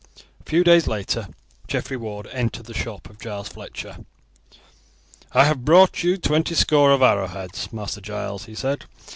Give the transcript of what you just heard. A few days later Geoffrey Ward entered the shop of Giles Fletcher. "I have brought you twenty score of arrowheads, Master Giles," he said.